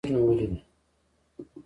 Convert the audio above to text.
جنګ وزیر مې ولیدی.